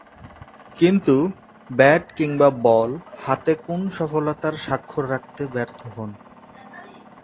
কিন্তু, ব্যাট কিংবা বল হাতে কোন সফলতার স্বাক্ষর রাখতে ব্যর্থ হন।